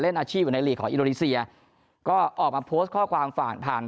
อาชีพอยู่ในลีกของอินโดนีเซียก็ออกมาโพสต์ข้อความผ่าน